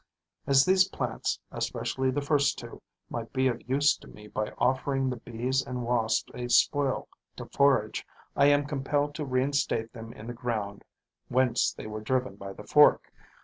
As these plants, especially the first two, might be of use to me by offering the Bees and Wasps a spoil to forage, I am compelled to reinstate them in the ground whence they were driven by the fork.